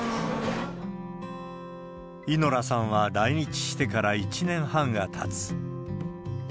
イノラさんは、来日してから１年半がたつ。